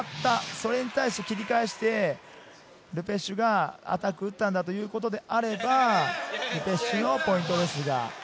それに対して切り返して、ル・ペシュがアタックを打ったんだということであれば、ル・ペシュのポイントですが。